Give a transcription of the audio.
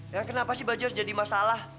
ya kenapa sih baju harus jadi masalah